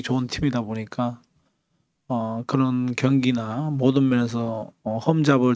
dan saya merasa mereka adalah tim yang sangat bagus